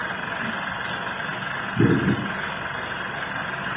Hii imepelekea kuanguka kwa kilimo duniani na kusababisha njaa katika baadhi ya maeneo